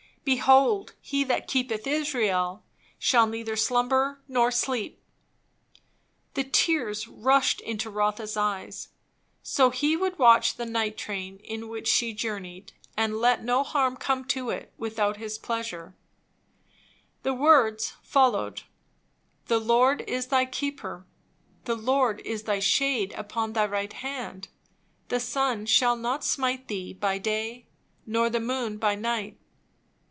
Behold, he that keepeth Israel shall neither slumber nor sleep." The tears rushed into Rotha's eyes. So he would watch the night train in which she journeyed, and let no harm come to it without his pleasure. The words followed, "The Lord is thy keeper: the Lord is thy shade upon thy right hand; the sun shall not smite thee by day, nor the moon by night.